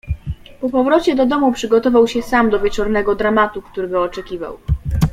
"Po powrocie do domu przygotował się sam do wieczornego dramatu, który go oczekiwał."